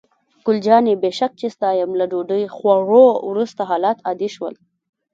ګل جانې: بې شک چې ستا یم، له ډوډۍ خوړو وروسته حالات عادي شول.